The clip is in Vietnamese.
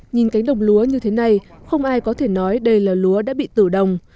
nhìn cánh đồng lúa như thế này không ai có thể nói đây là lúa đã bị tử đồng